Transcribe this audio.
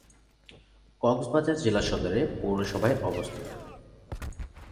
কক্সবাজার জেলা সদর এ পৌরসভায় অবস্থিত।